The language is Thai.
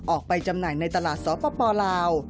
จำหน่ายในตลาดสปลาว